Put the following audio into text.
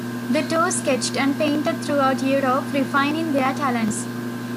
The two sketched and painted throughout Europe, refining their talents.